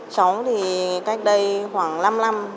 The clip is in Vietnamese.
cháu thì cách đây khoảng năm năm